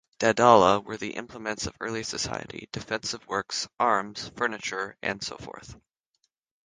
Daidala were the implements of early society: defensive works, arms, furniture, and so forth.